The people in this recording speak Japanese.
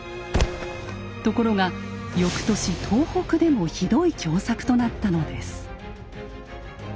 ところが翌年東北でもひどい凶作となったのです。